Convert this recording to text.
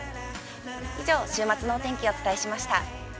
以上、週末のお天気をお伝えしました。